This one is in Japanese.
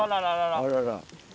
あらら。